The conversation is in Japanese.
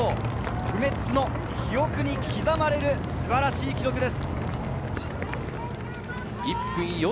不滅の記憶に刻まれる、素晴らしい記録です。